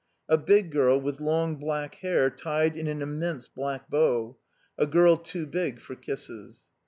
A big girl with long black hair tied in an immense black bow, a girl too big for kisses.